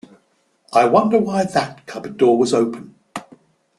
I wonder why that cupboard door was open?